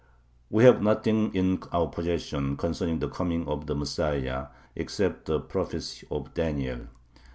We have nothing in our possession [concerning the coming of the Messiah] except the prophecy of Daniel.